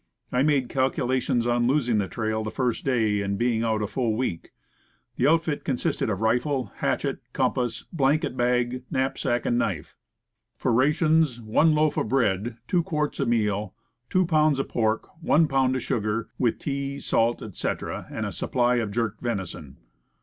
I made calculations on losing the trail the first day, and being out a full week. The outfit con sisted of rifle, hatchet, compass, blanket bag, knap sack and knife. For rations, one loaf of bread, two quarts of meal, two pounds of pork, one pound of sugar, with tea, salt, etc., and a supply of jerked venison.